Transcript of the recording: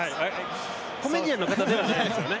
コメディアンの方ではないですよね？